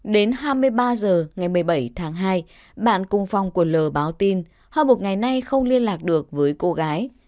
đến hai mươi ba giờ ngày một mươi bảy tháng hai bạn cung phong của l báo tin họ một ngày nay không liên lạc được với cô gái